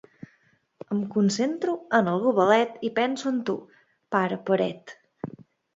Em concentro en el gobelet i penso en tu, pare paret.